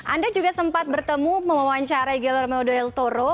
anda juga sempat bertemu mewawancara guillermo del toro